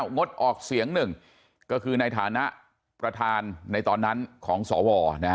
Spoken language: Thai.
งดออกเสียงหนึ่งก็คือในฐานะประธานในตอนนั้นของสว